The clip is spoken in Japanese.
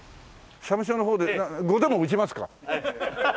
社務所の方で碁でも打ちますか？